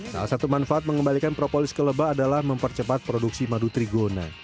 salah satu manfaat mengembalikan propolis ke leba adalah mempercepat produksi madu trigona